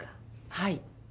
はい。